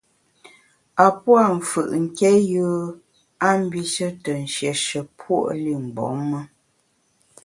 A pua’ mfù’ nké yùe a mbishe te nshieshe puo’ li mgbom me.